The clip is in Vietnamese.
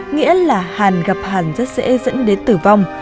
nghĩa là hàn gặp hàn rất dễ dẫn đến tử vong